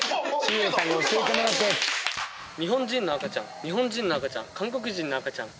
日本人の赤ちゃん日本人の赤ちゃん韓国人の赤ちゃん。